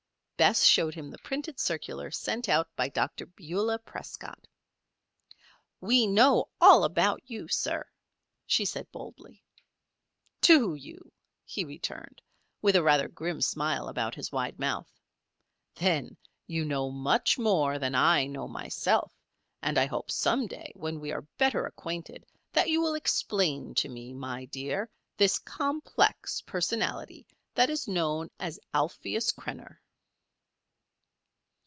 Bess showed him the printed circular sent out by Dr. Beulah Prescott. "We know all about you, sir," she said boldly. "Do you?" he returned, with a rather grim smile about his wide mouth. "Then you know much more than I know myself, and I hope some day when we are better acquainted that you will explain to me, my dear, this complex personality that is known as Alpheus Krenner."